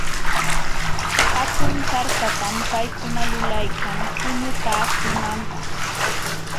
Hatun karpatam paykuna lulaykan puñupaakunanpaq.